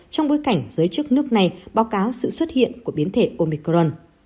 trong bối cảnh giới chức nước này báo cáo sự xuất hiện của biến thể omicron